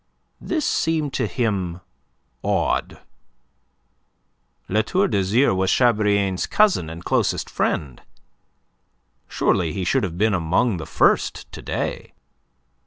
This seemed to him odd. La Tour d'Azyr was Chabrillane's cousin and closest friend. Surely he should have been among the first to day.